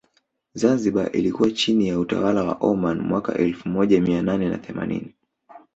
Zanzibar ilikuwa chini ya utawala wa Oman mwaka elfu moja mia nane na themanini